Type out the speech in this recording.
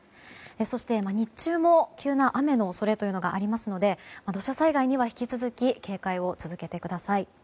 そして日中も急な雨の恐れがありますので土砂災害には引き続き警戒を続けてください。